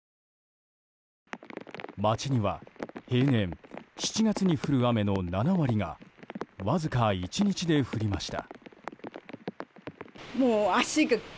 町には平年７月に降る雨の７割がわずか１日で降りました。